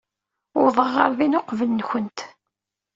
Uwḍeɣ ɣer din uqbel-nwent.